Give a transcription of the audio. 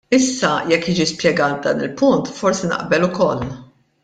Issa jekk jiġi spjegat dan il-punt forsi naqbel ukoll.